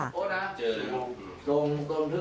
เจอแล้ว